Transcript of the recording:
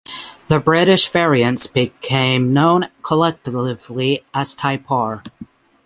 The British variants became known collectively as "type R".